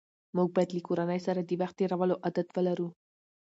موږ باید له کورنۍ سره د وخت تېرولو عادت ولرو